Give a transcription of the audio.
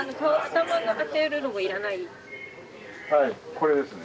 これですね。